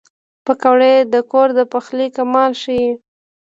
پکورې د کور د پخلي کمال ښيي